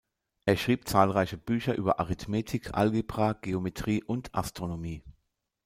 Er schrieb zahlreiche Bücher über Arithmetik, Algebra, Geometrie und Astronomie.